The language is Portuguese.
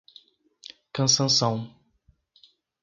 Cansanção